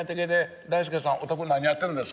「大助さんお宅何やってるんですか？」